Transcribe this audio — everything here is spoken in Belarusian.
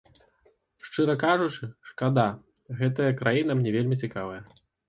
Шчыра кажучы, шкада, гэтая краіна мне вельмі цікавая.